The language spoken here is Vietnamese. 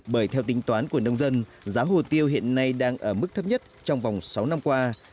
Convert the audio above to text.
bởi theo tính toán của nông dân giá hồ tiêu hiện nay đang ở mức thấp nhất trong vòng sáu năm qua